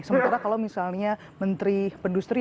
sementara kalau misalnya menteri pendustri